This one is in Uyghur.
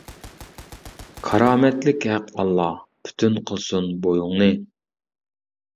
كارامەتلىك ھەق ئاللا، پۈتۈن قىلسۇن بويۇڭنى.